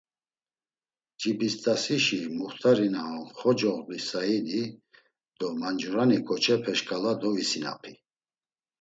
“Cibist̆asişi muxtari na on Xocoğli Sayidi do mancura ǩoçepe şǩala dovisinapi.”